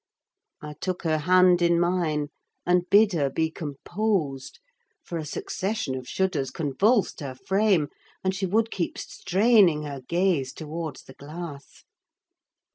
I took her hand in mine, and bid her be composed; for a succession of shudders convulsed her frame, and she would keep straining her gaze towards the glass.